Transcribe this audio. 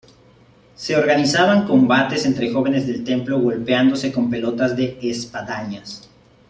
Se organizaban combates entre jóvenes del templo golpeándose con pelotas de espadañas.